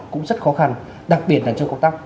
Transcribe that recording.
cũng rất khó khăn đặc biệt là trong công tác